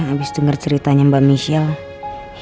abis denger ceritanya mbak michelle